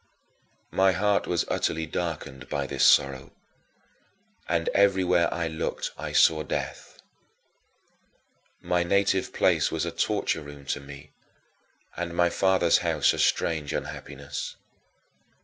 9. My heart was utterly darkened by this sorrow and everywhere I looked I saw death. My native place was a torture room to me and my father's house a strange unhappiness.